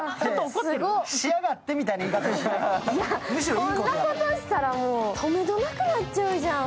こんなことしたら、とめどなくなっちゃうじゃん。